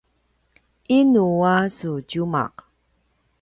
inu a su tjumaq?